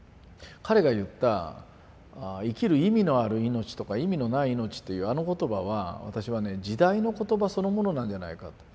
彼が言った「生きる意味のある命」とか「意味のない命」っていうあの言葉は私はね時代の言葉そのものなんじゃないかと。